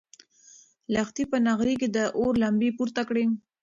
لښتې په نغري کې د اور لمبې پورته کړې.